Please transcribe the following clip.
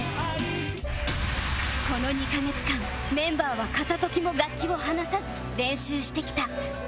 この２カ月間メンバーは片時も楽器を離さず練習してきた